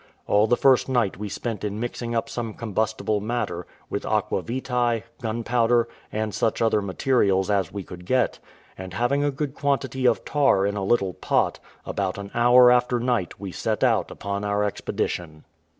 All the first night we spent in mixing up some combustible matter, with aqua vitae, gunpowder, and such other materials as we could get; and having a good quantity of tar in a little pot, about an hour after night we set out upon our expedition.